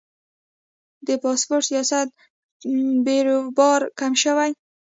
د پاسپورت ریاست بیروبار کم شوی؟